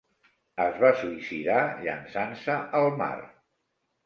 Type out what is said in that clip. Es va suïcidar llençant-se al mar.